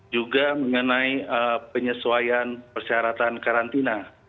juga mengenai penyesuaian persyaratan karantina